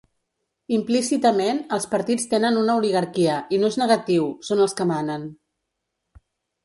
Implícitament, els partits tenen una oligarquia, i no és negatiu, són els que manen.